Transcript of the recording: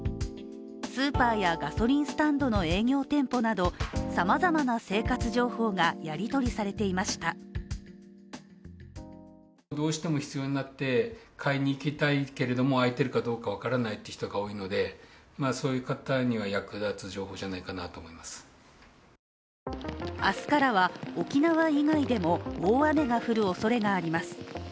スーパーやガソリンスタンドの営業店舗など、さまざまな生活情報がやり取りされていました明日からは沖縄以外でも大雨が降るおそれがあります。